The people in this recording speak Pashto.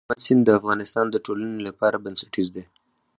هلمند سیند د افغانستان د ټولنې لپاره بنسټيز دی.